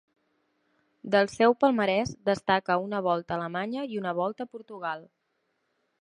Del seu palmarès destaca una Volta a Alemanya i una Volta a Portugal.